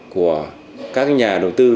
của các nhà đầu tư